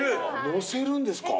のせるんですか？